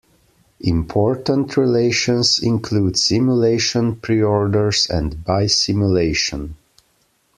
Important relations include simulation preorders and bisimulation.